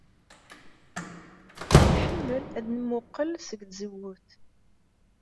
Nḥemmel ad nemmuqqel seg tzewwut.